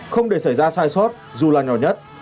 không để xảy ra sai sót dù là nhỏ nhất